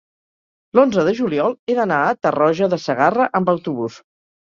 l'onze de juliol he d'anar a Tarroja de Segarra amb autobús.